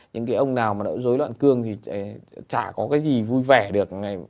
những ông nào mà đã dối loạn cương thì chả có cái gì vui vẻ được